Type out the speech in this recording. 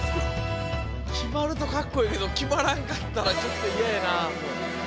決まるとかっこええけど決まらんかったらちょっと嫌やな。